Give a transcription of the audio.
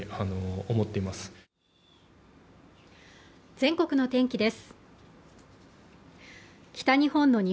全国の天気です。